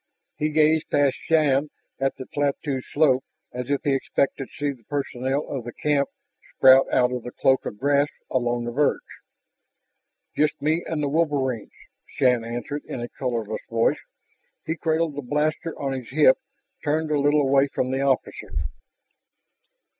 He gazed past Shann up the plateau slope as if he expected to see the personnel of the camp sprout out of the cloak of grass along the verge. "Just me and the wolverines," Shann answered in a colorless voice. He cradled the blaster on his hip, turned a little away from the officer.